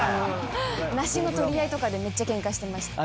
ナシの取り合いとかでめっちゃケンカしてました。